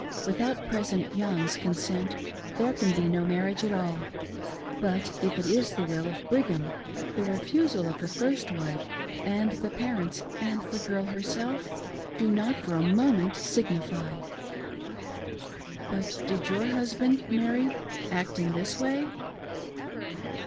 Without Presideht Young's coto ,sent there can be no marriage at all ; but if it is the will of Brigham, the refusal of the first wife and the parents and the girl herself do not for a moment signify." '^But did your husband, Mary, act in this way?"